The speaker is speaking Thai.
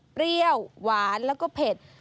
เปรี้ยวหวานแล้วก็เผ็ด